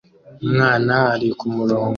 Umwana ari kumurongo